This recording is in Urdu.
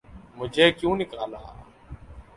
'مجھے کیوں نکالا؟